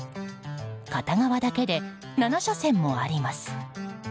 片側だけで７車線もあります。